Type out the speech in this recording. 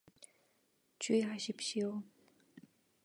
주의하십시오.